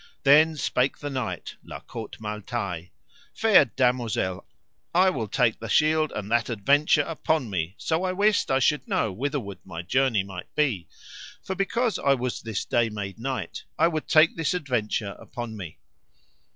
Then spake the knight, La Cote Male Taile: Fair damosel, I will take the shield and that adventure upon me, so I wist I should know whitherward my journey might be; for because I was this day made knight I would take this adventure upon me.